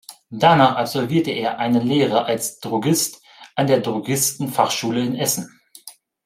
Danach absolvierte er eine Lehre als Drogist an der Drogisten-Fachschule in Essen.